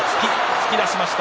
突き出しました。